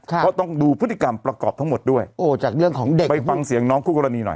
เพราะต้องดูพฤติกรรมประกอบทั้งหมดด้วยไปฟังเสียงน้องคู่กรณีหน่อย